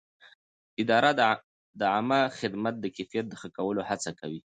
اداره د عامه خدمت د کیفیت د ښه کولو هڅه کوي.